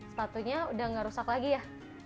sepatunya sudah enggak rusak lagi ya